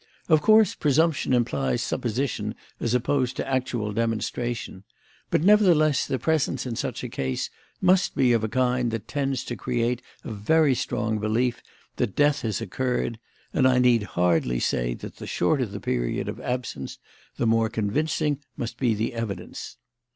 Of course, presumption implies supposition as opposed to actual demonstration; but, nevertheless, the evidence in such a case must be of a kind that tends to create a very strong belief that death has occurred; and I need hardly say that the shorter the period of absence, the more convincing must be the evidence.